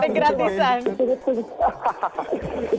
saya cari gratisan